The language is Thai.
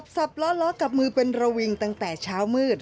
ล้อล้อกับมือเป็นระวิงตั้งแต่เช้ามืด